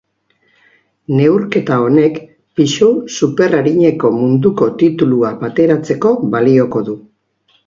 Neurketa honek pisu superarineko munduko titulua bateratzeko balioko du.